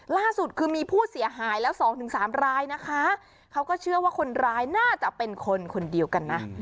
ล่าสุดคือมีผู้เสียหายแล้วสองถึงสามรายนะคะเขาก็เชื่อว่าคนร้ายน่าจะเป็นคนคนเดียวกันนะ